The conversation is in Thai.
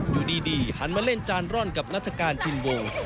อยู่ดีหันมาเล่นจานร่อนกับนัฐกาลชินวง